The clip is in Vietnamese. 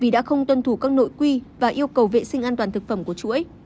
đã không tuân thủ các nội quy và yêu cầu vệ sinh an toàn thực phẩm của chuỗi